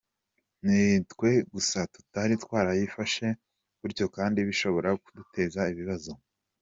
Ni twe gusa tutari twarayifashe gutyo kandi bishobora kuduteza ibibazo.